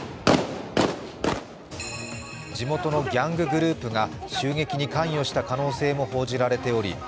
地元のギャンググループが襲撃に関与した可能性も報じられており